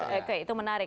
oke itu menarik